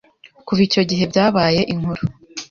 Kuva icyo gihe byabaye inkuru